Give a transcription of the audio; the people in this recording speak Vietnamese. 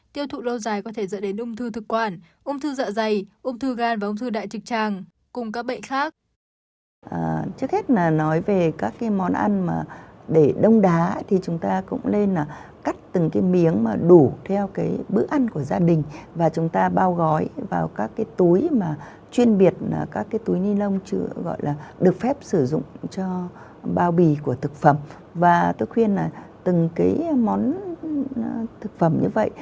tiêu thụ lâu dài có thể dẫn đến ung thư thực quản ung thư dọa dày ung thư gan và ung thư đại trực tràng cùng các bệnh khác